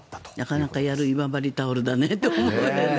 なかなかやる今治タオルだねと思って。